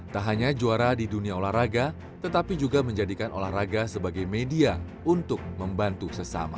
tak hanya juara di dunia olahraga tetapi juga menjadikan olahraga sebagai media untuk membantu sesama